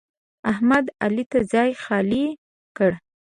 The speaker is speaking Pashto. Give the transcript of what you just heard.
احمد؛ علي ته ځای خالي کړ.